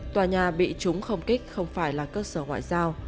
tòa nhà bị chúng không kích không phải là cơ sở ngoại giao